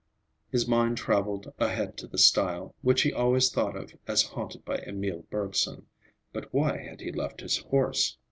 His mind traveled ahead to the stile, which he always thought of as haunted by Emil Bergson. But why had he left his horse?